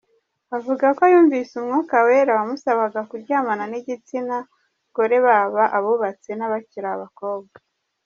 Avuga ko yumviye Umwuka Wera wamusabaga kuryamana n’igitsinagore baba abubatse n’abakiri abakobwa.